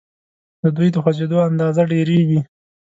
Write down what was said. د دوی د خوځیدو اندازه ډیریږي.